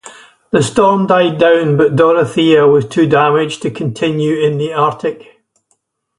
The storm died down but "Dorothea" was too damaged to continue in the Arctic.